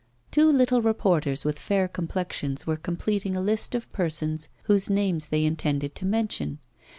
Two little reporters with fair complexions were completing a list of persons whose names they intended to mention.